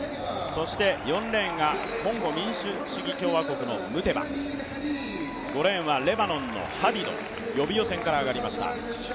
そして４レーンがコンゴ民主共和国５レーンはレバノンの選手、予備予選から上がりました。